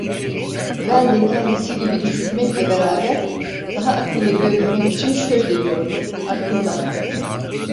Ben de kendisi gibi düşünmekle beraber, daha akıllı görünmek için şöyle diyordum: "Hakkın var."